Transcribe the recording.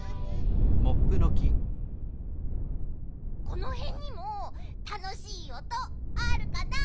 このへんにもたのしいおとあるかな？